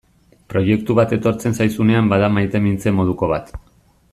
Proiektu bat etortzen zaizunean bada maitemintze moduko bat.